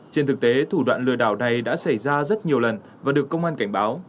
trên thực tế thủ đoạn lừa đảo này đã xảy ra rất nhiều lần và được công an cảnh báo